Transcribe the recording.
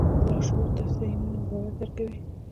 لاشعور تاسې ته ایمان او باور درکوي